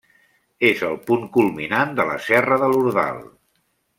És el punt culminant de la Serra de l'Ordal.